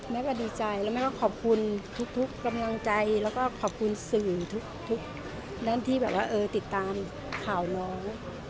แม่ก็ดีใจแล้วแม่ก็ขอบคุณทุกกำลังใจแล้วก็ขอบคุณสื่อทุกนั่นที่แบบว่าติดตามข่าวน้อง